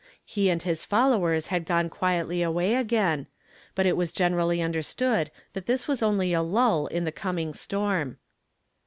He and his followers had gone quietly away again ; but it was generally understood that this was only a lull in the coming storm.